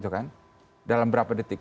itu kan dalam berapa detik